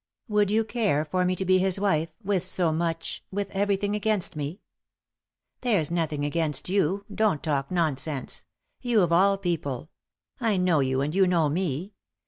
"Would you care for me to be his wife, with so much, with everything against me ?"" There's nothing against you — don't talk nonsense I You, of all people! I know you and you know me.